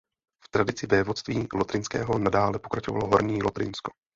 V tradici vévodství lotrinského nadále pokračovalo Horní Lotrinsko.